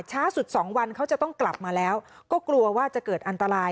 ช้าสุดสองวันเขาจะต้องกลับมาแล้วก็กลัวว่าจะเกิดอันตราย